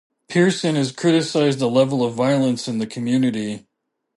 Pearson has criticised the level of violence in the community.